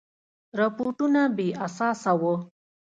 رپوټونه بې اساسه وه.